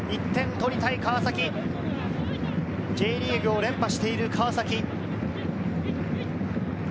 １点取りたい川崎、Ｊリーグを連覇してる川崎。